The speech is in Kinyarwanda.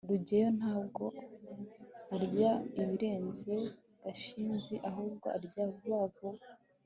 rugeyo ntabwo arya ibirenze gashinzi, ahubwo arya vuba vuba